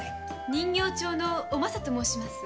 人形町のおまさと申します。